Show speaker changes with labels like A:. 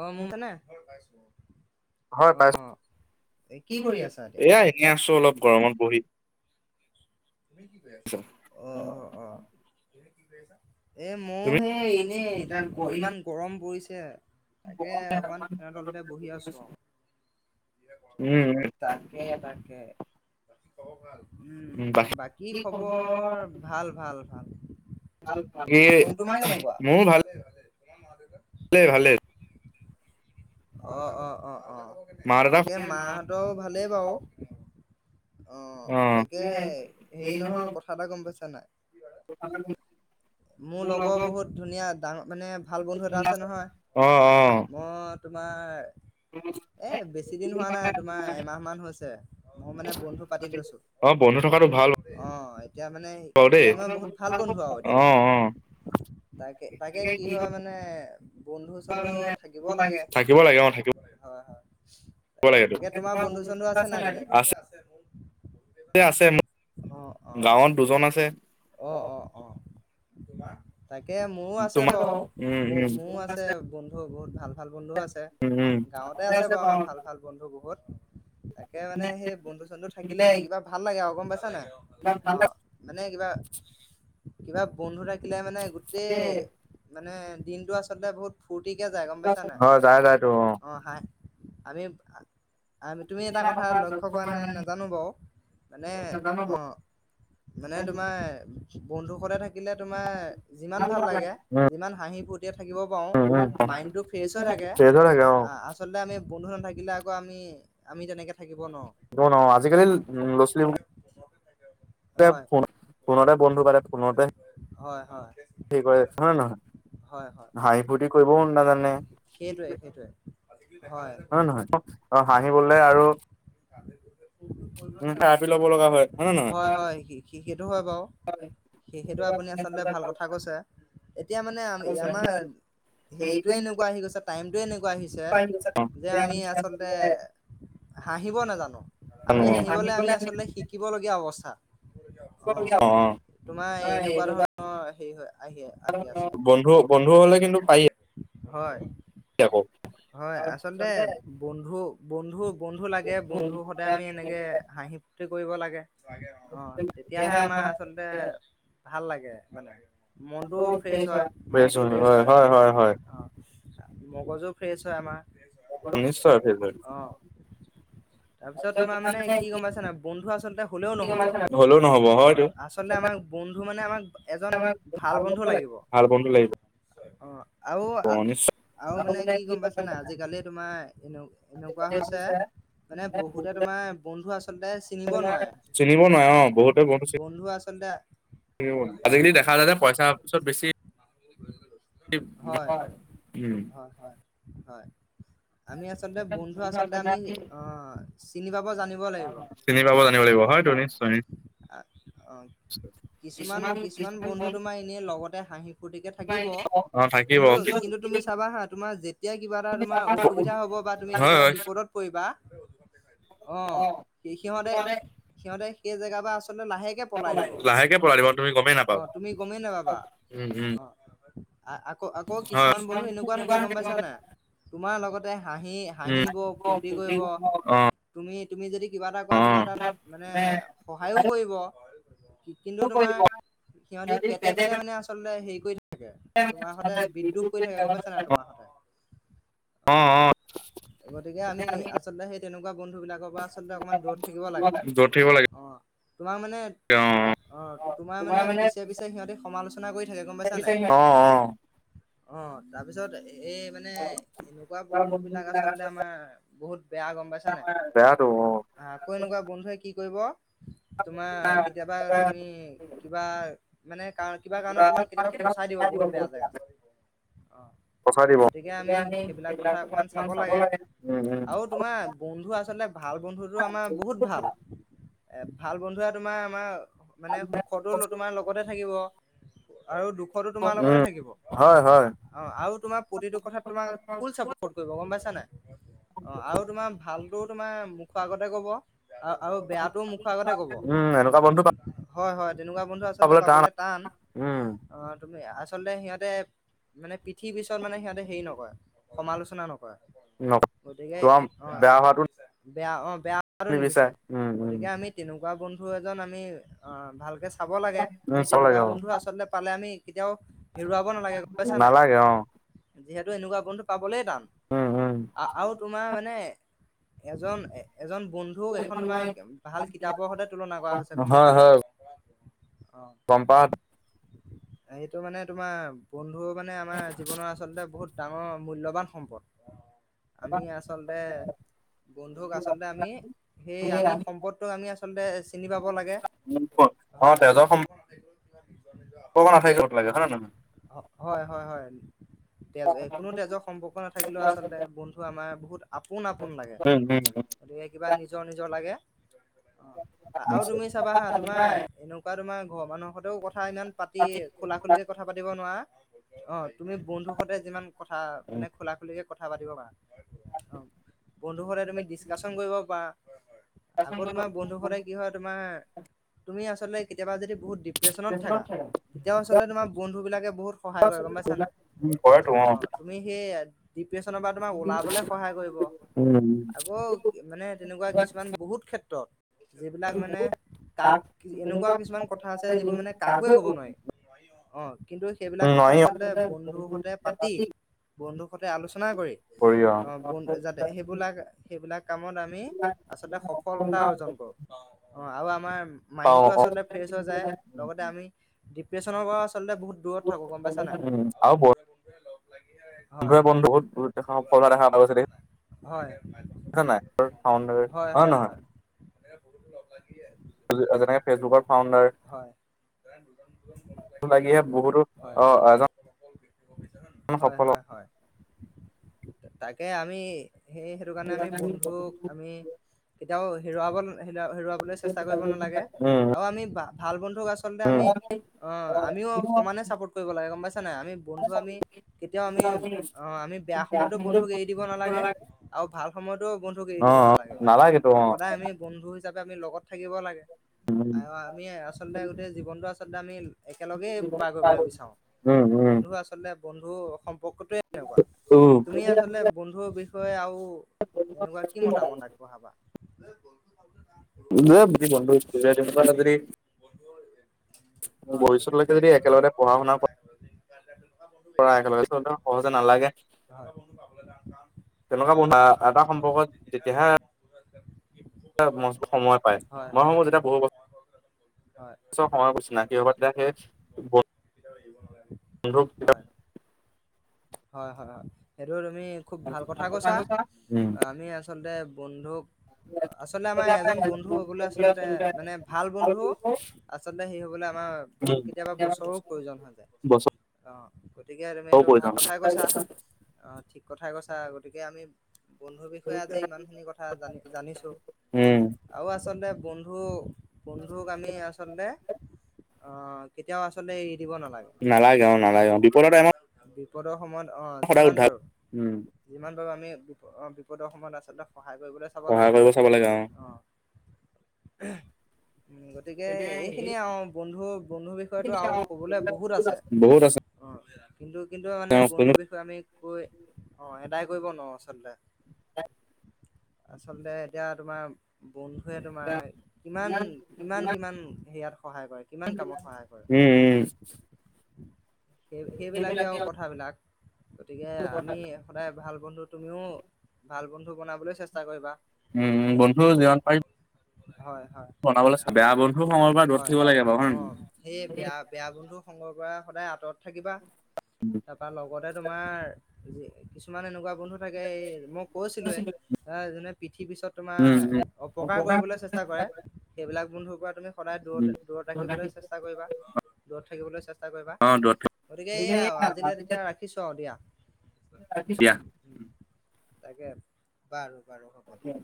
A: অ মোৰ মানে
B: হয়
A: অ
B: পাইছোঁ,
A: এ
B: কি কৰি আছে?
A: আছা এতিয়া
B: এয়া এনে আছো অলপ গৰমত বহি।
A: তুমি কি কৰি আছা? অ অ অ। এ মইও
B: তুমি
A: হে এনে এডাল ইমান গৰম পৰিছে তাকে অকমান ফেনৰ তলতে বহি আছোঁ আৰু।
B: উম উম
A: তাকে তাকে। উম বাকী খবৰ ভাল? উম, বাকী খবৰ ভাল ভাল।
B: ভাল ভাল,
A: তুম
B: তোমাৰ কেনেকোৱা?
A: কেনেকুৱা
B: মোৰো ভাল, ভাল ভালে।
A: অ অ অ অ
B: মা দেউতা
A: তাকে মাহতৰো ভালে বাৰু। অ তাকে হেৰি নহয় কথা এটা গম পইচা নাই?
B: [inaudible]
A: মোৰ লগত বহুত ধুনীয়া ডা মানে ভাল বন্ধু এটা আছে নহয়,
B: অ অ অ
A: মই তোমাৰ এ বেছি দিন হোৱা নাই তোমাৰ এমাহ মান হৈছে। মই মানে বন্ধু পাতি লৈছোঁ।
B: অ বন্ধু থকাটো ভাল
A: অ এতিয়া মানে
B: বাৰু
A: সি
B: দেই
A: এ মই বহুত ভাল বন্ধু আৰু এতিয়া।
B: অ অ
A: তাকে তাকে কি হয় মানে বন্ধু চন্ধু থাকিব লাগে,
B: থাকিব লাগে অ থাকিব
A: হয় হয়।
B: লাগেতো
A: তাকে তোমাৰ বন্ধু চন্ধু আছে নাই তেনেকে?
B: আছে আছে
A: অ অ
B: মোৰ গাঁৱত দুজন আছে।
A: অ অ অ। তোমাৰ? তাকে মোৰো আছে
B: তোমাৰ
A: বাৰু
B: উম
A: ম
B: উম
A: মোৰো আছে বন্ধু বহুত ভাল ভাল বন্ধু আছে।
B: উম উম
A: গাঁৱতে আছে বাৰু আমাৰ ভাল ভাল বন্ধু বহুত। তাকে মানে সেই বন্ধু চন্ধু থাকিলে কিবা ভাল লাগে অ গম পাইছ নাই, মানে কিবা কিবা বন্ধু থা কিলে মানে গোটেই মানে দিনটো আচলতে বহুত ফূৰ্তিকে যায় গম পাইছা নাই,
B: হয় যাই যায়তো
A: অ হা আমি। আ তুমি এটা কথা লক্ষ্য কৰা নাই নাজানো বাওঁ মানে অ, মানে তোমাৰ বন্ধু সতে থাকিলে তোমাৰ যিমান ভাল লাগে
B: উম
A: যিমান হাঁহি ফূৰ্তিয়াই থাকিব পাৰোঁ।
B: উম উম
A: মাইণ্ডটো ফ্ৰেছ হৈ থাকে
B: চেঞ্জ হৈ থাকে অ
A: আচলতে আমি। বন্ধু নাথাকিলে আকৌ আমি, আমি তেনেকে থাকিব নোৱাৰো।
B: ন, ন আজিকালি ল'ৰা ছোৱালী
A: হয়
B: ফ, ফোনতে বন্ধু পাতে- ফোনতে,
A: হয় হয়
B: কৰে হয় নে নহয়।
A: হয় হয়
B: হাঁহি, ফূৰ্তি কৰিবও নাজানে।
A: সেইটোৱে সেইটোৱে হয়।
B: হয় নহয় কক অ', হাঁহিবলে আৰু উম থেৰাপি ল'ব লগা হয় নে নহয়
A: হয়, হয় সেই-সেইটো হয় বাৰু। সে সেইটো আপুনি আচলতে ভাল কথা কৈছে এতিয়া মানে আমি আমাৰ হেৰিটো এনেকুৱা আহি গৈছে টাইমটোৱেই এনেকুৱা আহিছে যে আমি আচলতে হাঁহিব নাজানো আমি হাঁহিবলে আমি আচলতে শিকিব লগীয়া অৱস্থা।
B: অ'।
A: তোমাৰ এনেকুৱা ধৰণৰ হেৰি হয়।
B: বন্ধু-বন্ধু হলে কিন্তু পাৰি।
A: হয়,
B: আকৌ
A: হয় আচলতে বন্ধু, বন্ধু, বন্ধু লাগে বন্ধু সদায় আমি এনেকে হাঁহি ফূৰ্তি কৰিব লাগে। লাগে অ অ', তেতিয়াহে আমাৰ আচলতে ভাল লাগে মানে। মনটো ফ্ৰেছ হয় মাইণ্ডটো ফ্ৰেছ হয় অ'। মগজো ফ্ৰেছ হয় আমাৰ।
B: নিশ্চয়
A: অ', তাৰপিছত তোমাৰ মানে কি গম পাইছা নাই বন্ধু আচলতে হ'লেও নহ'ব হলেও নহব হয় অ আচলতে আমাক বন্ধু মানে আমাক এজন ভাল বন্ধু লাগিব ভাল বন্ধু লাগিব হয় অ আৰু
B: অ
A: আ
B: নিশ্চয়
A: আৰু মানে কি গম পাইছা নাই আজিকালি তোমাৰ এনে এনেকুৱা হৈছে মানে বহুতে তোমাৰ বন্ধু আচলতে চিনিব নোৱাৰে
B: চিনিব নোৱাৰে অ বহুত
A: বন্ধু আচলতে আজিকালি দেখা যায় যে পইছা পাছত বেছি হয়
B: উম
A: হয় হয় হয় আমি আচলতে বন্ধু আচলতে আমি অ চিনি পাব জানি
B: চিনি পাব জানিব লাগিব হয়টো নিশ্চয় নিশ্
A: অ কিছুমান কিছুমান বন্ধু তোমাৰ এনেই লগতে হাঁহি ফুুৰ্তিকে থাকিব
B: অ থাকিব
A: কিন্তু কিন্তু তুমি চাবা হা তোমাৰ যেত এতিয়া কিবা এটা তুমাৰ অসুবিধা হব বা তুমি
B: হয়
A: কেতিয়াবা
B: হয়
A: বিপদত পৰিবা অ সি সিহঁতে সিহঁতে সেই জেগা পা আচলতে লাহেক কে পলাই দিব লাহেকে পলাই দিব তুমি গমেই নাপাবা অ
B: উম উম
A: তুমি গমেই নাপাবা অ আ আকৌ আকৌ
B: হয়।
A: কিছুমান বন্ধু এনেকুৱা থাকে গম পাইছা নাই তোমাৰ লগতে হাঁহি
B: উম,
A: হাঁহিব ফূুৰৰ্তি কৰিব
B: অ',
A: তুমি তুমি যদি কিবা এটা কৰা তোমাৰ
B: অ',
A: তাত মানে সহায়ও কৰিব সহায়ো কৰিব অ কিন্তু তোমাৰ সিহতি পেট পেট মানে আছ আচলতে হেৰি কৰি থাকে তোমাৰ সতে বিদ্ৰোষ কৰি থাকে গম পাইছা নাই তোমাৰ হতে
B: অ',
A: অহ
B: অ',
A: গতিকে আমি আচলতে সেই তেনেকুৱা বন্ধু বিলাকৰ পৰা আচলতে অকমান দূৰত থাকিব লাগে
B: পঠিয়াব লাগে
A: অ', তোমাক মানে অঁ তোমাৰ মানে পিছে পিছে সিহঁতে সমালোচ শুনা কৰি থাকে গম পাইছা নে নাই?
B: অ', অ', অ',
A: অহ, তাৰপিছত এই মান- মানে এনেকুৱা বন্ধু বিলাক আচলতে আমাৰ বহুত বেয়া গম পাইছা নাই?
B: বেয়াটো অ',
A: আকৌ এনেকুৱা বন্ধুৱে কি কৰিব তোমাৰ কেতিয়াবা তুমি কিবা মানে কাৰ কিবা কাৰণত তোমাক কেতিয়াবা ফচাই দিব বহুত বেয়া জেগাত, অ
B: পঠাই দিব
A: গতিকে আমি সেইবিলাক কথা অকণমান চাব লাগে।
B: উম, উম,
A: আৰু তোমাৰ - বন্ধু আচলতে ভাল বন্ধুটো আমাৰ বহুত ভাল এ ভাল বন্ধুৱে তোমাৰ আমাৰ মানে সুখতো তোমাৰ লগতে থাকিব। আৰু দুখতো তোমাৰ লগতে
B: উম,
A: থাকিব, হয় হয়। অ আৰু তোমাৰ প্ৰতিটো কথাত তোমাৰ ফুল চাপট কৰিব গম পাইছা নাই অ আৰু তোমাৰ ভালটো তোমাৰ মুখ আগতে কব অ', আৰু বেয়াতো মখ- খতে ক'ব।
B: উম,
A: তুমা,
B: এনেকুৱা বন্ধু
A: হয় হয়, তেনেকুৱা বন্ধু আচল পাবলৈ টান।
B: উম,
A: অ', তুমি, আচলতে সিহঁতে- মানে পিঠিৰ পিছত মানে সিহঁতে হেৰি নকৰে সমালোচনা নকৰে
B: ন
A: গতিকে
B: তোমাৰ
A: অ
B: বেয়া হোৱাটো
A: বেয়া অ', বেয়া [unintelligible] নিবিচাৰে।
B: উম, উম,
A: গতিকে আমি- তেনেকুৱা বন্ধু এজন আমি অ' ভালকে চাব লাগে। আমি
B: উম, চাব
A: তেনেকুৱা
B: লাগে অ'।
A: বন্ধু আচলতে পালে আমি- কেতিয়াও হেৰুৱাব নালাগে গম পাইছা নাই।
B: নালাগে অ',
A: যিহেতু এনেকুৱা বন্ধু পাবলে টান
B: উম, উম,
A: আ আৰু তোমাৰ মানে এজন এ এজন বন্ধুক এখন তোমাৰ ভাল কিতাপৰ সৈতে তুলনা কৰা হৈছে গম
B: হয়,
A: পাইছা নাই
B: হয়,
A: অ,
B: গম পা
A: এইটো মানে তোমাৰ বন্ধু মানে আমাৰ জীৱনৰ আচলতে বহুত ডাঙৰ মূল্যবান সম্পদ আমি আচলতে বন্ধুক আচলতে আমি সেই আমি সম্পদটোক আমি আ থমতে চিনি পাব লাগে।
B: অ',
A: হয়,
B: তেজৰ সম্পৰ্ক নাথাকিব লাগে হয় নে নহয়?
A: হয়। হয় হয় হয় তেজ এ', কোনো তেজৰ সম্পৰ্ক নাথাকিলেও আচলতে বন্ধু আমাৰ বহুত - আপোন আপোন লাগে।
B: উম, উম,
A: গতিকে কিবা নিজৰ নিজৰ লাগে। অহ আৰু তুমি চাবা হা তোমাৰ এন কা তোমাৰ ঘৰৰ মানুহৰ হতেও কথা ইমান পাতি খোলা খুলিকে কথা পাতিব নোৱাৰা অহ তুমি বন্ধু সতে যিমান কথা মানে খোলা খুলিকে কথা পাতিব পাৰা অহ, বন্ধুৰ সৈতে তুমি ডিচকাচন কৰিব পাৰা। আকৌ তোমাৰ বন্ধু সদায় কি হয় তোমাৰ তুমি আচলতে কেতিয়াবা যদি বহুত ডি প্ৰেচনত থাকা তিতিয়াও আচলতে তোমাৰ বন্ধু বিলাকে বহুত সহায় কৰে, গম পাইছা নে নাই?
B: উম, কৰেতো অ'।
A: অহ, তুমি সেই- ডিপ্ৰেশ্যনৰ পৰা তোমাক ওলাবলৈ সহায় কৰিব।
B: উম
A: আকৌ মানে তেনেকুৱা কিছুমান বহুত- ক্ষেত্ৰত যিবিলাক মানে কাক, এনেকুৱা কিছুমান কথা আছে যিবোৰ মানে কাকোৱে ক'ব নোৱাৰি। অহ, কিন্তু সেইবিলাক কথা
B: নোৱাৰি
A: আচলতে বন্ধুৰ সৈতে পাতি- বন্ধুৰ সতে আলোচনা কৰি অ বন্ যাতে সেইবিলাক সেইবিলাক কামত আমি আচলতে শ সফলতা অৰ্জন কৰো, অহ আৰু আমাৰ
B: পাওঁ
A: মাইনটো
B: অ উম
A: আচলতে ফ্ৰেচ হৈ যায় লগতে আমি- ডিপ্ৰেচনৰ পৰা আচলতে বহুত দূৰত থাকো গম পাইছা
B: আৰু
A: নাই হয়।
B: [unintelligible]
A: হয়।
B: [unintelligible] ফাউণ্ডাৰ। হয় নে নহয়?
A: [unintelligible]
B: যেনেকে ফেচবুকৰ ফাউণ্ডাৰ লাগিহে বহুতো
A: হয়
B: অ
A: হয়।
B: এজন
A: হয়
B: সফল
A: হয় হয় তাকে আমি সেই সেইটো কাৰণে আমি বন্ধুক আমি কেতিয়াও হেৰুৱাব হে হেৰুৱাবলৈ চেষ্টা কৰিব নালাগে
B: উম
A: আৰু আমি ভাল বন্ধু
B: উম
A: অহ আমিও সমানে চাপোৰ্ট কৰিব লাগে গম পাইছা নাই আমি বন্ধু আমি কেতিয়াও আমি অহ আমি বেয়া সময়তো বন্ধুক এৰি দিব নালাগে আৰু ভাল সময়তো বন্ধুক এৰি
B: অ অ
A: দিব নালাগে।
B: নালাগেতো অ
A: সদায় আমি বন্ধু হিচাপে আমি লগত থাকিব লাগে
B: উম
A: আৰু আমি আচলতে গোটেই জীৱনটো আচলতে আমি একেলগেই পাৰ কৰিবলৈ বিচাৰো
B: উম উম
A: বন্ধু আচলতে আচলতে বন্ধু সম্পৰ্কটোয়ে এনেকুৱা
B: উম
A: তুমি আচলতে বন্ধুৰ বিষয়ে আৰু এনেকুৱা কি মতামত আগবঢ়োৱাবা?
B: এ [unintelligible] ভৱিষ্যতলৈকে যদি একেলগে পঢ়া শুনা কৰা একেলগে টো ইমান সহজে নালাগে
A: [unintelligible]
B: তেনেকুৱা বন্ধু বা এটা সম্পৰ্কত যেতিয়াহে মষ্ট সময় পায়
A: হয়
B: মই
A: হয়।
B: ভাবো
A: হয়।
B: যেতিয়া বহু ব ছৰ সময় চিনাকি হব তেতিয়া সেই
A: কেতিয়াও এৰিব নালাগে।
B: বন্ধুক কেতিয়াও
A: হয় হয় হয় সেইটো তুমি খুব ভাল কথা কৈছা
B: উম।
A: আমি আচলতে বন্ধুক আচলতে আমাৰ এজন বন্ধু হবলে আচলতে মানে ভাল বন্ধু আচলতে হেৰি হবলৈ আমাৰ বহুত কেতিয়াবা বছৰো প্ৰয়োজন হৈ যায়।
B: বছৰও
A: অহ গতিকে তুমি এইটো
B: প্ৰয়োজন
A: ভাল কথাই কৈছা অহ ঠিক কথাই কৈছা গতিকে আমি বন্ধুৰ বিষয়ে আজি ইমানখিনি কথা জানি জানিছো।
B: উম,
A: আৰু আচলতে বন্ধু বন্ধুক আমি আ চলতে অহ কেতিয়াও আচলতে এৰি দিব নালাগে।
B: নালাগে অহ নালাগে অঁ বিপদৰ টাইমত
A: বিপদৰ সময়ত অহ
B: সদায়
A: যিমান
B: উদ্ধাৰ
A: পাৰো
B: উম,
A: যিমান পাৰো আমি এ বিপদৰ সময়ত আচলতে সহায় কৰিবলৈ চাব
B: সহায়
A: লাগে
B: কৰিব চাব লাগে অ'
A: অঁ। উম গতিকে এইখিনিয়ে আৰু বন্ধু বন্ধুৰ বিষয়টো আৰু ক'বলৈ বহুত আছে
B: বহুত আছে
A: অ কিন্তু কিন্তু মানে
B: কোনো
A: বন্ধুৰ বিষয়ে আমি কৈ অ এদায় কৰিব নোৱাৰো আচলতে।
B: হয়
A: আচলতে এতিয়া তোমাৰ বন্ধুৱে তোমাৰ কিমান কিমান কিমান-হেয়াত সহায় কৰে কিমান কামত সহায় কৰে
B: উম উম।
A: সেই সেইবিলাকে আৰু কথাবিলাক গতিকে আমি সদায় ভাল বন্ধু তুমিও ভাল বন্ধু বনাবলৈ চেষ্টা কৰিবা।
B: উম উম
A: এ
B: বন্ধু যিমান পাৰিম
A: হয় হয়।
B: বনাবলৈ বেয়া বন্ধু সময়ৰ পৰা দূৰত
A: হয়
B: থাকিব লাগে বাৰু হয়
A: অ সেই
B: নহয়?
A: বেয়া বেয়া বন্ধু সংগৰ পৰা সদায় আঁতৰত থাকিবা।
B: [unintelligible]
A: তাৰপা লগতে তোমাৰ কিছুমান এনেকুৱা বন্ধু থাকে এই মই কৈছিলোৱে। এ যোনে পিঠি পিছত
B: উম,
A: তোমাৰ অপকাৰ কৰিবলৈ চেষ্টা কৰে সেইবিলাক বন্ধুৰ পৰা তুমি- সদায়
B: উম,
A: দূৰত দূৰত ৰাখিবলৈ চেষ্টা কৰিবা, দূৰত থাকিবলৈ চেষ্টা কৰিবা।
B: অ' দূৰত
A: গতিকে এইয়াই আও। ৰাখিছোঁ অঁ দিয়া।
B: দিয়া।
A: তাকে বাৰু বাৰু হ'ব দে।